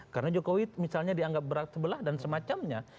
karena jokowi misalnya dianggap berat sebelah dan semacamnya